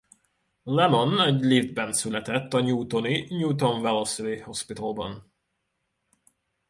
Lemmon egy liftben született a newtoni Newton-Wellesley Hospitalban.